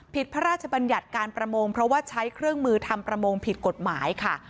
พระราชบัญญัติการประมงเพราะว่าใช้เครื่องมือทำประมงผิดกฎหมายค่ะ